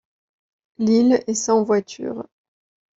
L'ile est sans voitures.